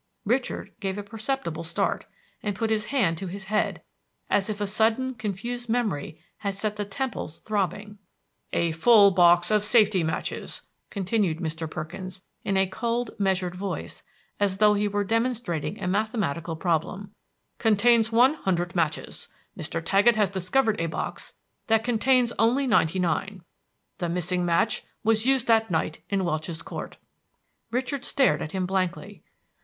Richard gave a perceptible start, and put his hand to his head, as if a sudden confused memory had set the temples throbbing. "A full box of safety matches," continued Mr. Perkins, in a cold, measured voice, as though he were demonstrating a mathematical problem, "contains one hundred matches. Mr. Taggett has discovered a box that contains only ninety nine. The missing match was used that night in Welch's Court." Richard stared at him blankly.